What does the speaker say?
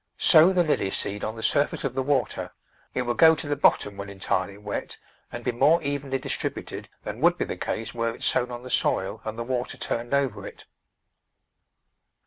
Sow the lily seed on the surface of the water; it will go to the bottom when entirely wet and be more evenly distrib uted than would be the case were it sown on the soil and the water turned over it.